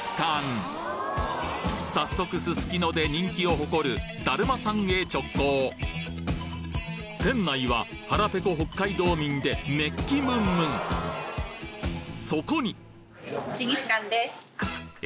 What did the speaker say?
早速すすきので人気を誇るだるまさんへ直行店内は腹ペコ北海道民で熱気ムンムンそこにえ！